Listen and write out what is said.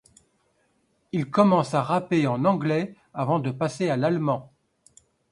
Ils commencent à rapper en anglais avant de passer à l´allemand.